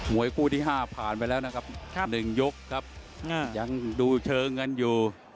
วยคู่ที่๕ผ่านไปแล้วนะครับ๑ยกครับยังดูเชิงกันอยู่